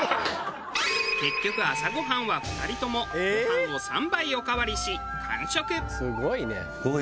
結局朝ごはんは２人ともごはんを３杯おかわりし完食。